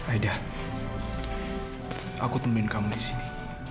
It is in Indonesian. aida aku temuin kamu di sini